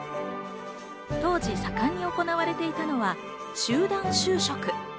当時、盛んに行われていたのは集団就職。